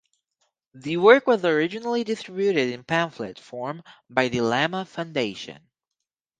The work was originally distributed in pamphlet form by the Lama Foundation.